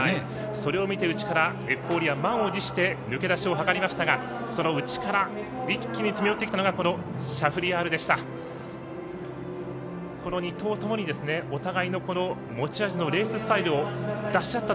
それを見て、内からエフフォーリア満を持して抜け出しを図りましたがその内から一気に詰めよってきたのがシャフリヤールでした。